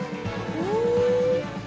うん。